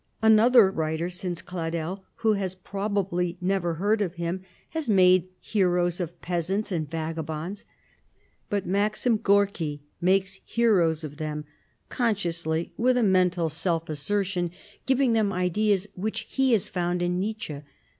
Another writer since Cladel, who has probably never heard of him, has made heroes of peasants and vagabonds. But Maxim Gorki makes heroes of them, consciously, with a mental self assertion, giving them ideas which he has found in Nietzsche.